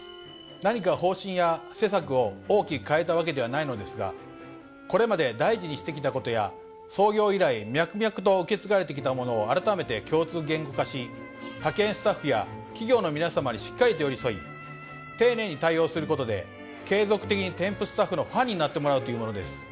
何か方針や施策を大きく変えたわけではないのですがこれまで大事にしてきたことや創業以来脈々と受け継がれてきたものをあらためて共通言語化し派遣スタッフや企業の皆さまにしっかりと寄り添い丁寧に対応することで継続的にテンプスタッフのファンになってもらうというものです。